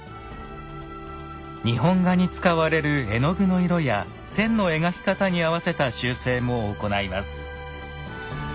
日本画に使われる絵の具の色や線の描き方に合わせた修正も行います。